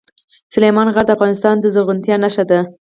سلیمان غر د افغانستان د زرغونتیا نښه ده.